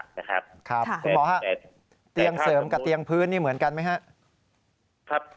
คุณหมอฮะเตียงเสริมกับเตียงพื้นนี่เหมือนกันไหมครับ